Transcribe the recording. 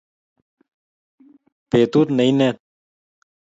petut neinet